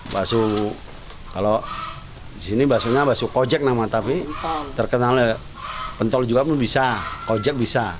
bakso kalau disini bakso nya bakso kojek nama tapi terkenal ya pentol juga pun bisa kojek bisa